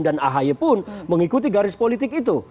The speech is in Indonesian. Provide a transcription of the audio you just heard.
dan ahay pun mengikuti garis politik itu